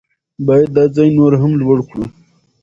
باید دا ځای نور هم لوړ کړو.